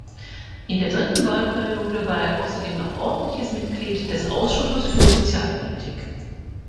In der dritten Wahlperiode war er außerdem noch ordentliches Mitglied des Ausschusses für Sozialpolitik.